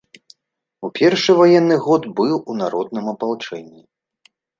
У першы ваенны год быў у народным апалчэнні.